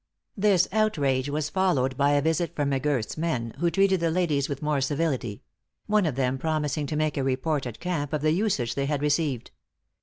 This outrage was followed by a visit from M'Girth's men, who treated the ladies with more civility; one of them promising to make a report at camp of the usage they had received.